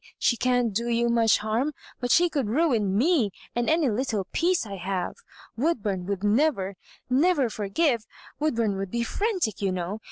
She can't do you much harm, but she could ruin me, and any little peace I have I Woodbum would never — never forgive— Wood burn would be frantic, you know.